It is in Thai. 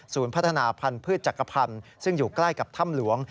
พัฒนาพันธุ์จักรพันธ์ซึ่งอยู่ใกล้กับถ้ำหลวง